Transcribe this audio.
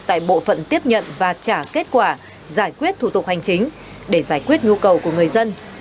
tại bộ phận tiếp nhận và trả kết quả giải quyết thủ tục hành chính để giải quyết nhu cầu của người dân